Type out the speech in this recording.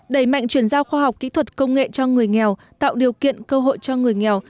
đẩy mạnh chuyển giao khoa học kỹ thuật công nghệ cho người nghèo tạo điều kiện cơ hội cho người nghèo